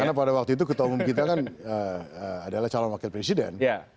karena pada waktu itu ketua umum kita kan adalah calon wakil presiden